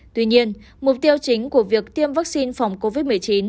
tuy nhiên mục tiêu chính của việc tiêm vaccine phòng covid một mươi chín